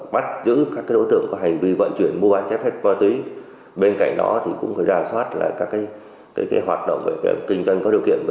bắt giữ các đối tượng có hành vi vận chuyển mua bán chép phép ma túy bên cạnh đó cũng phải ra soát các hoạt động về kinh doanh có điều kiện